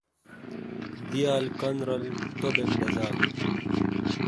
دییال کّن رل توبَک ڈزال۔